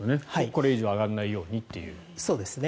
これ以上上がらないようにという。